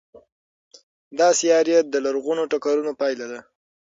دا سیارې د لرغونو ټکرونو پایله ده.